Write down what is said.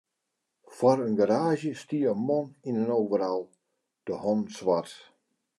Foar in garaazje stie in man yn in overal, de hannen swart.